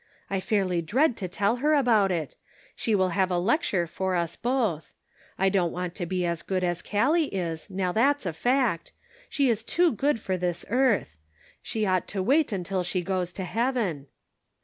I fairly dread to tell her about it ; she will have a lecture for us both. I don't want to be as good as Callie is, now that's a fact ; she is too good for this earth ; she ought to wait until she gets to heaven.